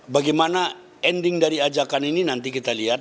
bagaimana ending dari ajakan ini nanti kita lihat